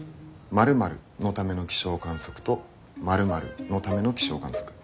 ○○のための気象観測と○○のための気象観測。